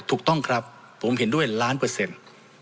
ถูกต้องครับผมเห็นด้วยล้านเปอร์เซ็นต์